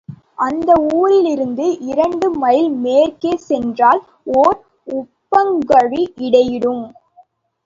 அந்த ஊரிலிருந்து இரண்டு மைல் மேற்கே சென்றால் ஓர் உப்பங்கழி இடையிடும்.